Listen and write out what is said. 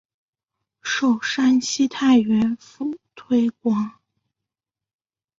授山西太原府推官。